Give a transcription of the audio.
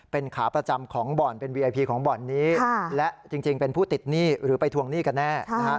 เป็นขาประจำของบ่อนเป็นบ่อนนี้และจริงจริงเป็นผู้ติดหนี้หรือไปทวงหนี้กันแน่นะฮะ